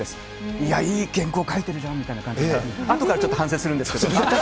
いや、いい原稿書いてるじゃんみたいな、あとからちょっと反省するんですけど。